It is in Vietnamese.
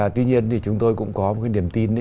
tuy nhiên thì chúng tôi cũng có một cái niềm tin